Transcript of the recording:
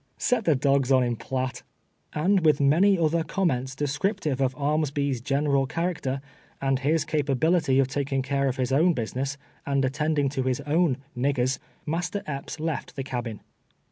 Set the dogs on him, Piatt," and with many other comments descriptive of Armsby's general character, and his capability of taking care of DISAPPOIN^rMEXT AND DESPAIR. 235 his own business, and attending to his own " niggers," Master Epj)s left the cabin.